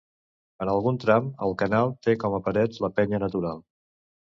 En algun tram, el canal té com a paret la penya natural.